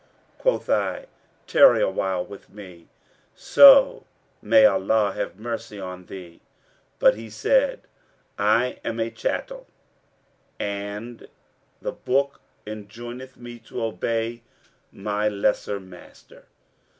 Quoth I, 'Tarry awhile with me, so may Allah have mercy on thee!' But he said, 'I am a chattel and the Book enjoineth me to obey my lesser master.'